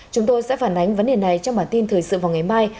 chúng tôi sẽ phản ánh vấn đề này trong bản tin thời sự vào ngày mai